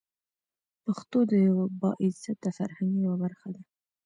پښتو د یوه با عزته فرهنګ یوه برخه ده.